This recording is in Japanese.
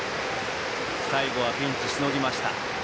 最後はピンチしのぎました。